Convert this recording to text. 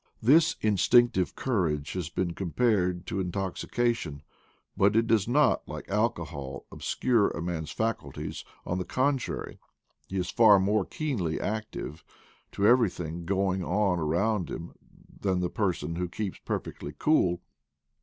This instinctive courage has been compared to intoxi cation, but it does not, like alcohol, obscure a man's faculties: on the contrary, he is far more keenly active to everything going on around him than the person who keeps perfectly cool.